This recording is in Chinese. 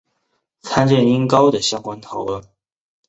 参见音高的相关讨论。